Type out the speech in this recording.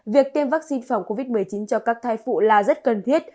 việc tiêm vaccine phòng covid một mươi chín cho các thai phụ là rất cần thiết